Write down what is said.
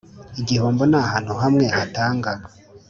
igihombo ni ahantu hamwe hatanga